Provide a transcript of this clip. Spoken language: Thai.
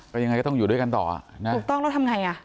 ก็ยังไงก็ต้องอยู่ด้วยกันต่ออ่ะนะถูกต้องแล้วทำไงอ่ะ